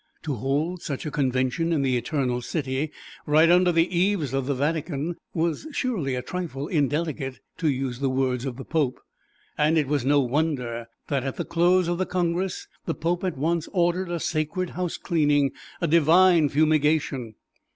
To hold such a convention in the Eternal City, right under the eaves of the Vatican, was surely a trifle "indelicate," to use the words of the Pope. And it was no wonder that at the close of the Congress the Pope at once ordered a sacred housecleaning, a divine fumigation.